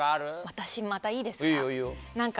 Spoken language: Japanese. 私またいいですか？